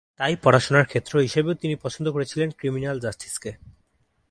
তাই পড়াশোনার ক্ষেত্র হিসেবেও তিনি পছন্দ করেছিলেন ক্রিমিনাল জাস্টিসকে।